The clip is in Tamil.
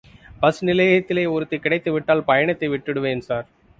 பஸ் நிலையத்திலேயே ஒருத்தி கிடைத்துவிட்டால் பயணத்தை விட்டுடுவேன் ஸார்.